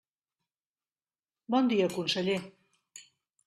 Bon dia, conseller.